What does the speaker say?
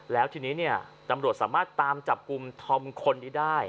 แล้วทีนี้เนี่ยตำรวจสามารถตามจับกลุ่มธอมคนนี้ได้